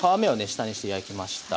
下にして焼きました。